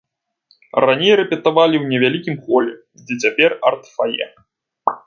Раней рэпетавалі ў невялікім холе, дзе цяпер арт-фае.